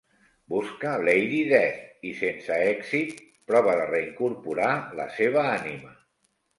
Busca Lady Death i, sense èxit, prova de reincorporar la seva ànima.